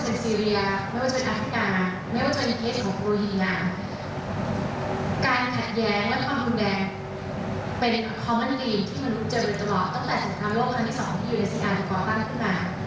แต่สิ่งเดียวที่เราไม่แตกต่างคือความเข้าใจของการสูญเสีย